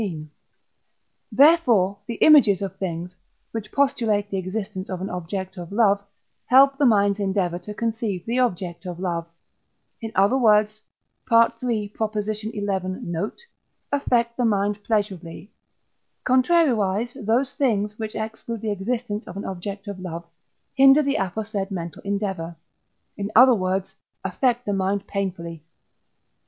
therefore the images of things, which postulate the existence of an object of love, help the mind's endeavour to conceive the object of love, in other words (III. xi. note), affect the mind pleasurably; contrariwise those things, which exclude the existence of an object of love, hinder the aforesaid mental endeavour; in other words, affect the mind painfully.